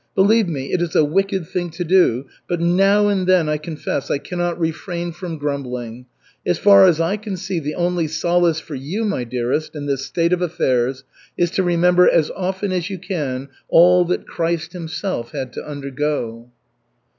Believe me, it is a wicked thing to do, but now and then, I confess, I cannot refrain from grumbling. As far as I can see, the only solace for you, my dearest, in this state of affairs is to remember as often as you can all that Christ himself had to undergo."